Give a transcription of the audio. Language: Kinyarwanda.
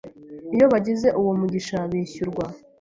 iyo bagize uwo mugisha bishyurwa